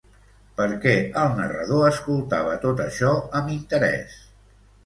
Per què el narrador escoltava tot això amb interès?